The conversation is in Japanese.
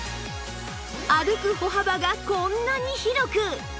歩く歩幅がこんなに広く！